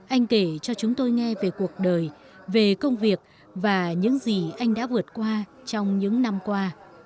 anh kể cho chúng tôi nghe về cuộc đời về công việc và những gì anh đã vượt qua trong những năm qua